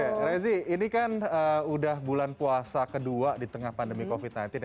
halo rezi ini kan sudah bulan puasa kedua di tengah pandemi covid sembilan belas